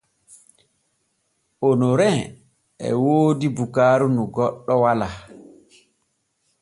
Onorin e woodi bukaaru nu goɗɗo walaa.